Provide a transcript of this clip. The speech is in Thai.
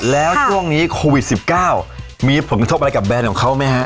แล้วช่วงนี้โควิด๑๙มีผลกระทบอะไรกับแบรนด์ของเขาไหมฮะ